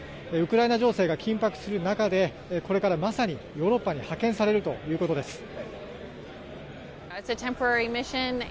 ウクライナ情勢が緊迫する中でこれからまさにヨーロッパに派遣されるということです。